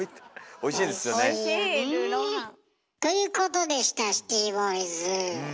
おいしいルーローハン。ということでしたシティボーイズ。